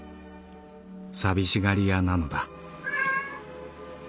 寂しがり屋なのだ」。